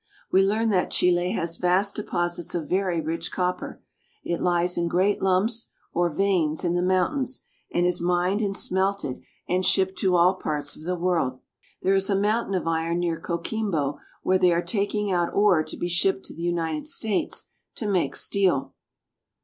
We learn that Chile has vast deposits of very rich copper. It lies in great lumps or veins in the mountains, and is ALONG THE COAST. IO9 mined and smelted and shipped to all parts of the world. There is a mountain of iron near Coquimbo where they are taking out ore to be shipped to the United States to make steel.